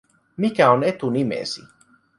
Mikä on etunimesi?